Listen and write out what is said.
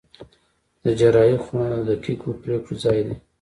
د جراحي خونه د دقیقو پرېکړو ځای دی.